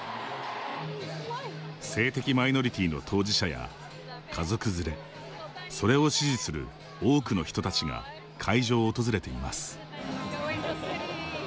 性的マイノリティーの当事者や家族連れそれを支持する多くの人たちが会場を訪れています。